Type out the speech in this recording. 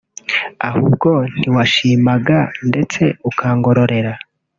Ahubwo ntiwanshimaga ndetse ukangororera